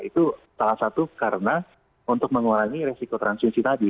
itu salah satu karena untuk mengurangi resiko transisi tadi